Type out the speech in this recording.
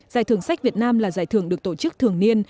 giải thưởng sách việt nam là giải thưởng được tổ chức thường niên